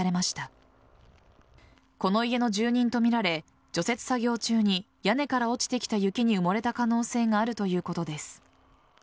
この家の住人とみられ除雪作業中に屋根から落ちてきた雪に埋もれた可能性があるということです。